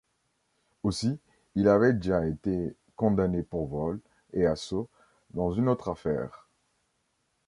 Aussi, il avait déjà été condamné pour vol et assaut dans une autre affaire.